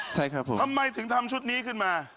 ใช่ครับผมทำไมถึงทำชุดนี้ขึ้นมา